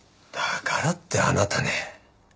だからってあなたね。